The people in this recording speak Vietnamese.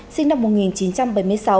sinh năm một nghìn chín trăm bảy mươi sáu